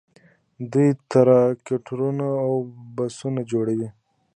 دوی ټراکټورونه او بسونه جوړوي.